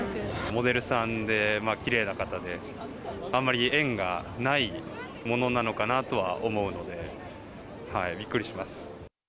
モデルさんで、きれいな方で、あんまり縁がないものなのかなとは思うので、びっくりします。